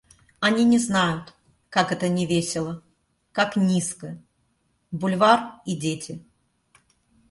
Они не знают, как это невесело, как низко... Бульвар и дети.